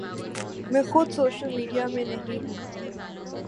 میں خود social media میں نہیں ہوں۔